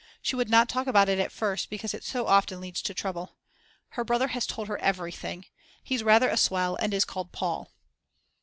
She would not talk about it at first because it so often leads to trouble. Her brother has told her everything. He's rather a swell and is called Paul.